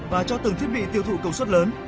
và cho từng thiết bị tiêu thụ công suất lớn